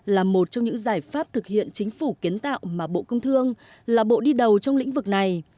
là một trong những giải pháp thực hiện chính phủ kiến tạo mà bộ công thương là bộ đi đầu trong lĩnh vực này